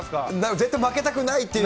絶対負けたくないっていう。